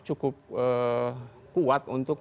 cukup kuat untuk